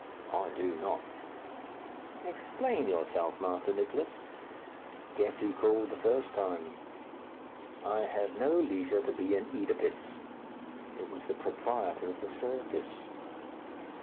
"I do not." "Explain yourself, Master Nicless." "Guess who called the first time." "I have no leisure to be an Oedipus." "It was the proprietor of the circus."